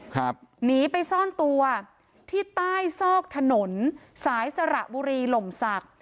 หนีไปซ่อนตัวที่ใต้ซอกถนนสายสระบุรีหล่มศักดิ์